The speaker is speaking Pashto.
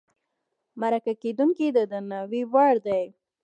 مرکه کېدونکی د درناوي وړ دی.